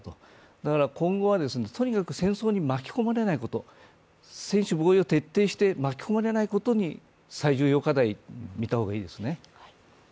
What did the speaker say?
だから今後はとにかく戦争に巻き込まれないこと、専守防衛を徹底して、巻き込まれないことに最重要課題を見た方がいいですね。